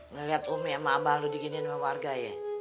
ngeliat umi sama abah lu diginin sama warga yah